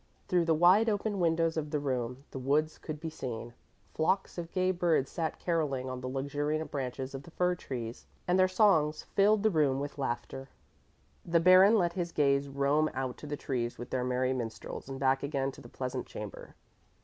Through the wide open windows of the room the woods could be seen. Flocks of gay birds sat carolling on the luxuriant branches of the fir trees, and their songs filled the room with laughter. The Baron let his gaze roam out to the trees with their merry minstrels and back again to the pleasant chamber.